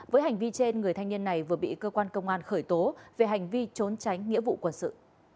với hành vi trên người thanh niên này vừa bị cơ quan công an khởi tố về hành vi trốn tránh nghĩa vụ quân sự